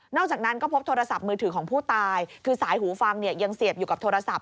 อกจากนั้นก็พบโทรศัพท์มือถือของผู้ตายคือสายหูฟังเนี่ยยังเสียบอยู่กับโทรศัพท์